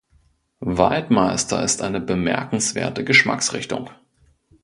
Waldmeister ist eine bemerkenswerte Geschmacksrichtung